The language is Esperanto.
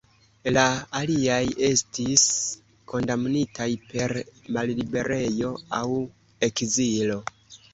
La aliaj estis kondamnitaj per malliberejo aŭ ekzilo.